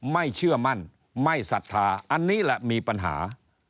ไม่เชื่อมั่นไม่ศรัทธาอันนี้แหละมีปัญหา